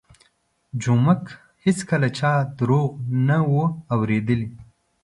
جومک هېڅکله چا درواغ نه وو اورېدلي.